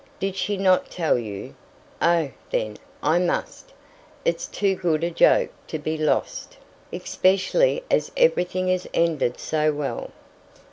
"Did she not tell you? Oh, then, I must. It's too good a joke to be lost, especially as everything has ended so well.